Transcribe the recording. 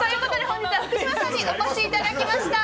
本日は福島さんにお越しいただきました。